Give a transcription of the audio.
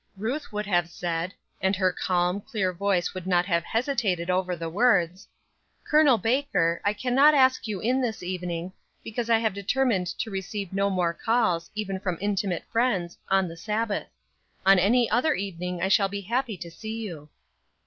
Ruth would have said, and her calm, clear voice would not have hesitated over the words; "Col. Baker, I can not ask you in this evening, because I have determined to receive no more calls, even from intimate friends, on the Sabbath. On any other evening I shall be happy to see you."